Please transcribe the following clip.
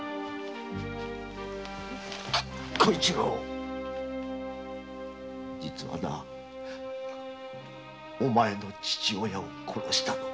小一郎実はなお前の父親を殺したのは。